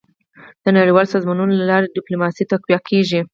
. د نړیوالو سازمانونو له لارې ډيپلوماسي تقویه کېږي.